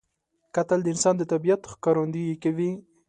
کتل د انسان د طبیعت ښکارندویي کوي